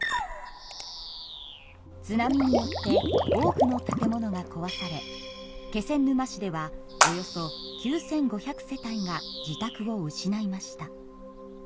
津波によって多くの建物がこわされ気仙沼市ではおよそ９，５００世帯が自宅を失いました。